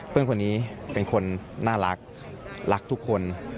เพื่อนคนนี้เป็นคนน่ารักรักทุกคน